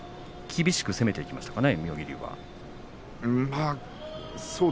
厳しく攻めていきましたかね